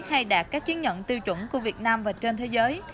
hay đạt các chiến nhận tiêu chuẩn của việt nam và trên thế giới